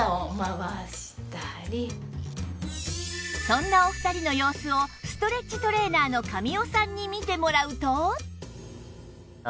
そんなお二人の様子をストレッチトレーナーの神尾さんに見てもらうと